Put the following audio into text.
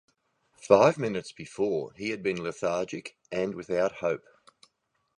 Five minutes before, he had been lethargic and without hope.